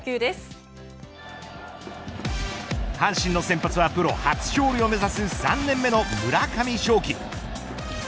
阪神の先発はプロ初勝利を目指す３年目の村上頌樹。